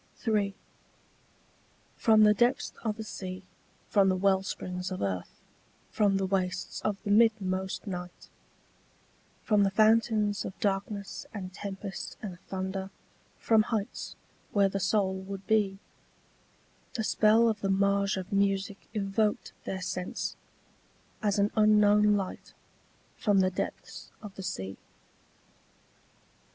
III. From the depths of the sea, from the wellsprings of earth, from the wastes of the midmost night, From the fountains of darkness and tempest and thunder, from heights where the soul would be, The spell of the mage of music evoked their sense, as an unknown light From the depths of the sea.